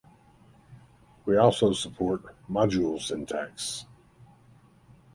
We also support module syntax